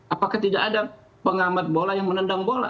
apakah tidak ada pengamat bola yang menendang bola